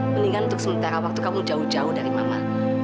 mendingan untuk sementara waktu kamu jauh jauh dari mama